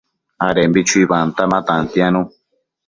adembi chuibanta ma tantianu